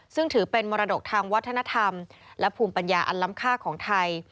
ซึ่งถือเป็นมรดกทางวัฒนธรรมและภูมิปัญญาอันล้ำค่าของไทย